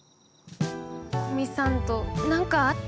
古見さんと何かあった？